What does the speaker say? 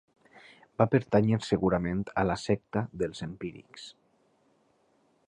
Va pertànyer segurament a la secta dels empírics.